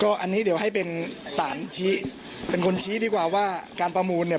อันนี้เดี๋ยวให้เป็นสารชี้เป็นคนชี้ดีกว่าว่าการประมูลเนี่ย